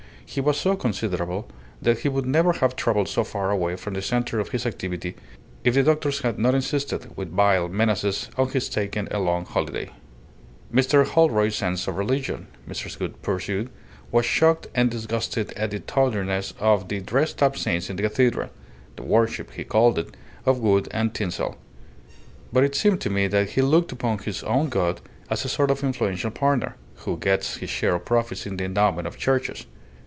He was so considerable that he would never have travelled so far away from the centre of his activity if the doctors had not insisted, with veiled menaces, on his taking a long holiday. "Mr. Holroyd's sense of religion," Mrs. Gould pursued, "was shocked and disgusted at the tawdriness of the dressed up saints in the cathedral the worship, he called it, of wood and tinsel. But it seemed to me that he looked upon his own God as a sort of influential partner, who gets his share of profits in the endowment of churches.